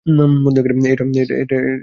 এটা আগে বলবেন না?